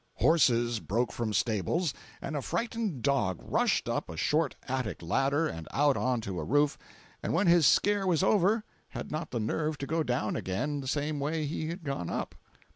Horses broke from stables, and a frightened dog rushed up a short attic ladder and out on to a roof, and when his scare was over had not the nerve to go down again the same way he had gone up.